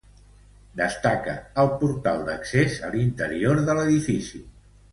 Destaca el portal d'accés a l'interior de l'edifici.